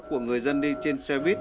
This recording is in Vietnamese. của người dân đi trên xe buýt